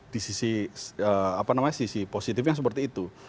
di sisi positifnya seperti itu